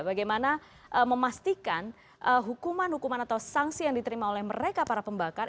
bagaimana memastikan hukuman hukuman atau sanksi yang diterima oleh mereka para pembakar